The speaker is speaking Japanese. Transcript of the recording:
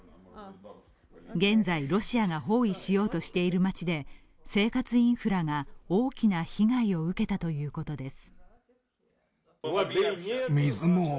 現在、ロシアが包囲しようとしている街で生活インフラが大きな被害を受けたということです。